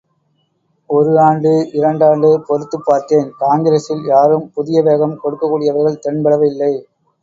ஒரு ஆண்டு, இரண்டாண்டு பொறுத்துப் பார்த்தேன், காங்கிரசில் யாரும் புதிய வேகம் கொடுக்கக் கூடியவர்கள் தென்படவில்லை.